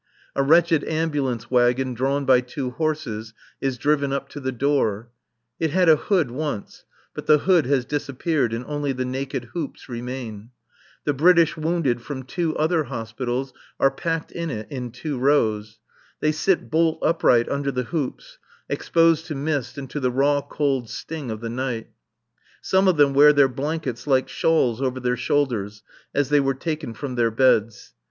A wretched ambulance wagon drawn by two horses is driven up to the door. It had a hood once, but the hood has disappeared and only the naked hoops remain. The British wounded from two [?] other hospitals are packed in it in two rows. They sit bolt upright under the hoops, exposed to mist and to the raw cold sting of the night; some of them wear their blankets like shawls over their shoulders as they were taken from their beds.